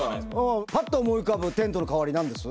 ぱっと思い浮かぶテントの代わり何です？